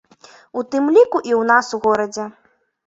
У тым ліку, і ў нас у горадзе.